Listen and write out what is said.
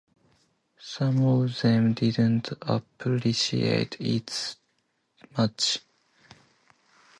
Some of them didn't appreciate it much.